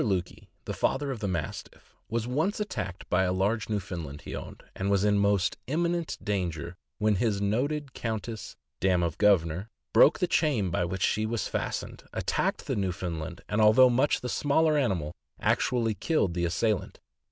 Lukey, the "Father of the Mastiff," was once attacked by a large Newfoundland he owned, and was in most imminent danger, when his noted Countess (dam of Governor) broke the chain by which she was fastened, attacked the Newfoundland, and although much the smaller animal, actually killed the assailant.